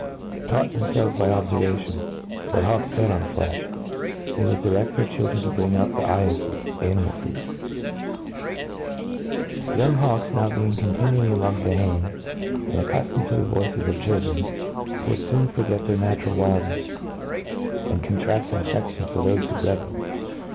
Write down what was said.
Taught them . iehrei^ by obfcrvation, tteit hawks fed on flefli, they would direft their children to bring tip th^ eyefle& wkh animal food. .The youing hawks, being now eontihtiaBy a* moag the hands, and accuAomed to the voices of the children, would foon forget their natural wildnefe, and contrafl: an a&ftion for thofe who bred them.